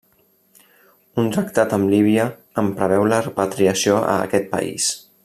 Un tractat amb Líbia en preveu la repatriació a aquest país.